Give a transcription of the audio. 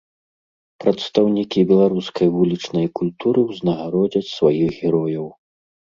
Прадстаўнікі беларускай вулічнай культуры ўзнагародзяць сваіх герояў.